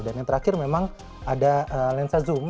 dan yang terakhir memang ada lensa zoom